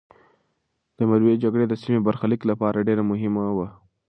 د مروې جګړه د سیمې د برخلیک لپاره ډېره مهمه وه.